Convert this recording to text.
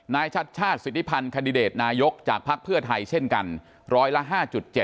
ชัดชาติสิทธิพันธ์คันดิเดตนายกจากภักดิ์เพื่อไทยเช่นกันร้อยละ๕๗